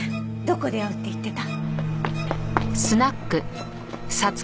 どこで会うって言ってた？